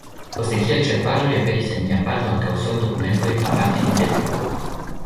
Poste kiel ĉerpaĵoj aperis en nia paĝo ankaŭ sondokumentoj, aparte intervjuoj.